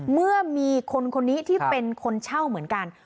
เมื่อมีคนคนนี้ที่เป็นคนเช่าเหมือนกัน